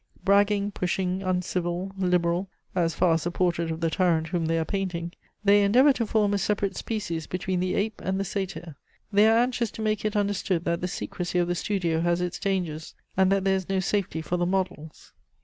Bragging, pushing, uncivil, liberal (as far as the portrait of the tyrant whom they are painting), they endeavour to form a separate species between the ape and the satyr; they are anxious to make it understood that the secrecy of the studio has its dangers, and that there is no safety for the models.